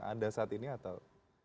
ada saat ini atau